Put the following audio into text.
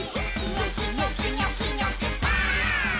「ニョキニョキニョキニョキバーン！」